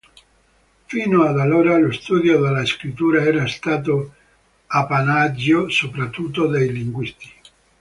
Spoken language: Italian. Fino ad allora lo studio della scrittura era stato appannaggio soprattutto dei linguisti.